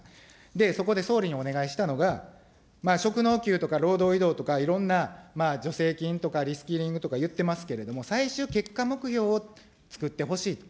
そこで総理にお願いしたのが、職能給とか、労働移動とかいろんな助成金とかリスキリングとかいってますけれども、最終結果目標をつくってほしいと。